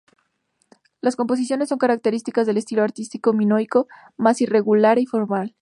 Las composiciones son características del estilo artístico minoico, más irregular e informal.